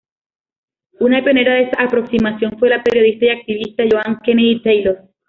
Una pionera de esa aproximación fue la periodista y activista Joan Kennedy Taylor.